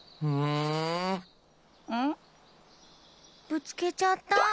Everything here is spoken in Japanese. ぶつけちゃった！